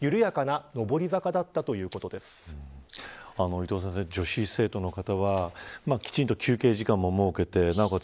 伊藤先生、女子生徒の方はきちんと休憩時間も設けてなおかつ